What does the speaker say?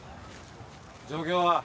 状況は？